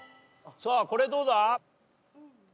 さあこれどうだ？